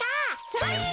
それ！